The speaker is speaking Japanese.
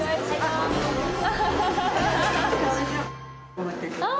お待たせしました。